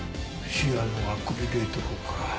シアノアクリレート法か。